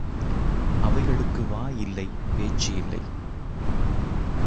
அவைகளுக்கு வாய் இல்லை பேச்சு இல்லை.